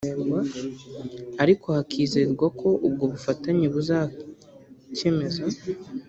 ariko hakizerwa ko ubwo bufatanye buzakmeza